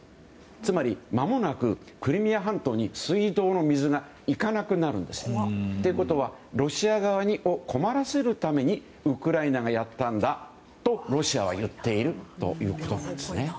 つまり、まもなくクリミア半島に水道の水が行かなくなるんですよ。ということはロシア側を困らせるためにウクライナがやったんだとロシアはいっているんですね。